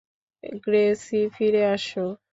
Gracie, ফিরে আসো।